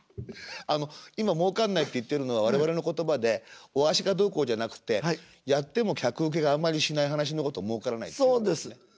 あの今もうかんないって言ってるのは我々の言葉でおあしがどうこうじゃなくてやっても客受けがあんまりしない噺のことをもうからないって言うんですね。